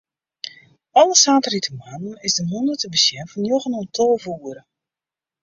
Alle saterdeitemoarnen is de mûne te besjen fan njoggen oant tolve oere.